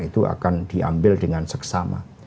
itu akan diambil dengan seksama